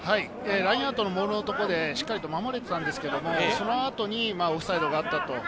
ラインアウトのボールのところで、しっかり守れていたんですけれど、その後にオフサイドがあったと。